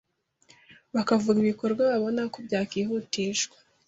bakavuga ibikorwa babona ko byakwihutishwa